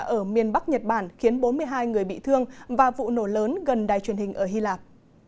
ở miền bắc nhật bản khiến bốn mươi hai người bị thương và vụ nổ lớn gần đài truyền hình ở hy lạp